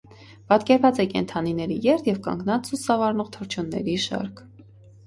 Պատկերված է կենդանիների երթ և կանգնած ու սավառնող թռչունների շարք։